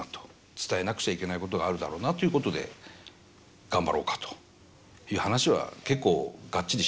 伝えなくちゃいけないことがあるだろうなということで頑張ろうかという話は結構がっちりしましたね。